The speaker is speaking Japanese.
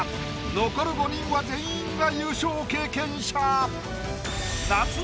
残る５人は全員が優勝経験者。